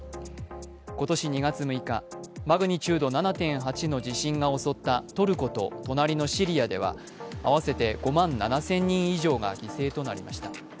今年２月６日、マグニチュード７．８の地震が襲ったトルコと隣のシリアでは合わせて５万７０００人以上が犠牲となりました。